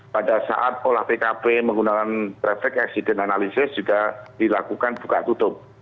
pada saat olah tkp menggunakan refek eksiden analisis sudah dilakukan buka tutup